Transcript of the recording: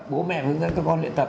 bố mẹ hướng dẫn các con luyện tập